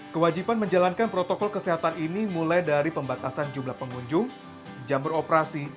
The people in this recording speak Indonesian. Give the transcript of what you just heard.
kewajiban menjalankan protokol kesehatan ini mulai dari pembatasan jumlah pengunjung jam beroperasi